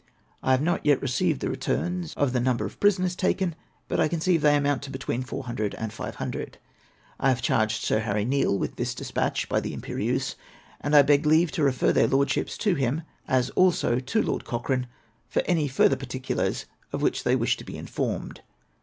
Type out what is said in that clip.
I have not yet received the returns of the number of prisoners taken, but I conceive they amount to between 400 and 500. I have charged Sir Harry Neale w^ith this despatch by the Im perieuse, and I beg leave to refer their Lordships to him, as also to Lord Cochrane, for any further particulars of which they may wish to be informed.